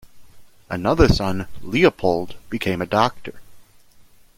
Another son, Leopold, became a doctor.